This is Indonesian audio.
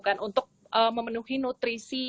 kan untuk memenuhi nutrisi